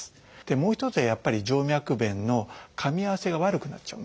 もう一つはやっぱり静脈弁のかみ合わせが悪くなっちゃうんですね。